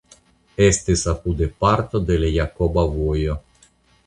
Estis apude parto de la Jakoba Vojo.